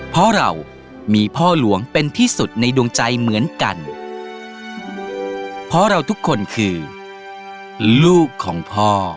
เพราะเรามีพ่อหลวงเป็นที่สุดในดวงใจเหมือนกันเพราะเราทุกคนคือลูกของพ่อ